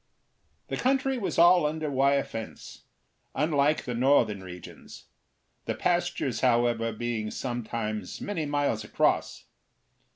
The country was all under wire fence, unlike the northern regions, the pastures however being sometimes many miles across.